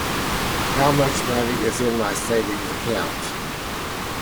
How much money is in my savings account?